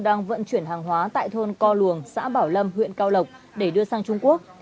đang vận chuyển hàng hóa tại thôn co luồng xã bảo lâm huyện cao lộc để đưa sang trung quốc